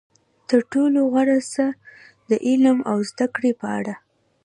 تر ټولو غوره څه د علم او زده کړې په اړه.